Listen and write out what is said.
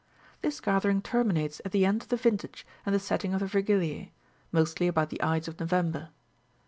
This gather ing terminates at the end of the vintage and the setting of the Vergiliae, mostly about the ides of November.